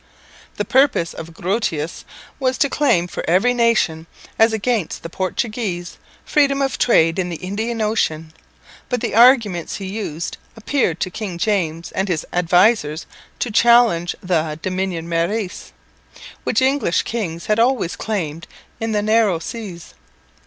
The purpose of Grotius was to claim for every nation, as against the Portuguese, freedom of trade in the Indian Ocean, but the arguments he used appeared to King James and his advisers to challenge the dominium maris, which English kings had always claimed in the "narrow seas."